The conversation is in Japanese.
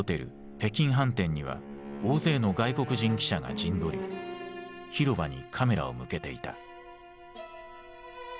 北京飯店には大勢の外国人記者が陣取り広場にカメラを向けていた。